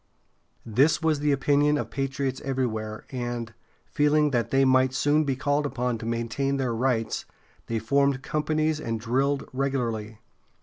This was the opinion of patriots everywhere, and, feeling that they might soon be called upon to maintain their rights, they formed companies and drilled regularly.